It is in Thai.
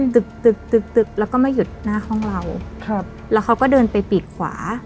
ตึกตึกตึกแล้วก็ไม่หยุดหน้าห้องเราครับแล้วเขาก็เดินไปปีกขวา